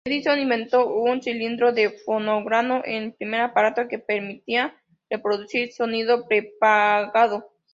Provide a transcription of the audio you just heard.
Edison inventó un cilindro de fonógrafo, el primer aparato que permitía reproducir sonido pregrabado.